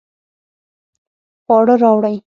خواړه راوړئ